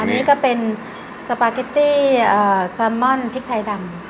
อันนี้ก็เป็นสปาเกตตี้ซามอนพริกไทยดำ